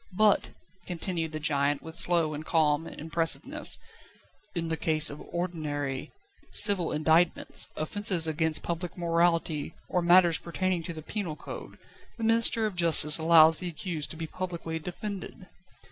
But," continued the giant, with slow and calm impressiveness, "in the case of ordinary, civil indictments, offences against public morality or matters pertaining to the penal code, the Minister of Justice allows the accused to be publicly defended.